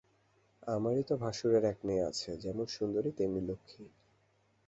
আমারই তো ভাসুরের এক মেয়ে আছে, যেমন সুন্দরী তেমনি লক্ষ্মী।